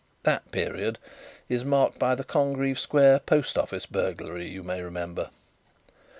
That period is marked by the Congreave Square post office burglary, you may remember.